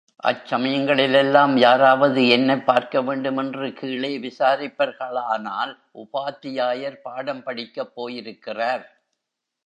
அச் சமயங்களிலெல்லாம், யாராவது என்னைப் பார்க்கவேண்டுமென்று கீழே விசாரிப்பார் களானால், உபாத்தியாயர் பாடம் படிக்கப் போயிருக்கிறார்!